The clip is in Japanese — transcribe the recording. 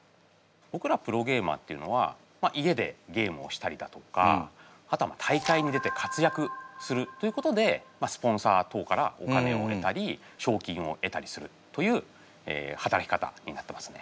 ぼくらプロゲーマーっていうのは家でゲームをしたりだとかあとは大会に出て活躍するということでスポンサー等からお金を得たり賞金を得たりするという働き方になってますね。